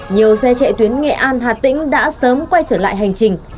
nhiều xe chạy tuyến nghệ an hà tĩnh đã sớm quay trở lại hành trình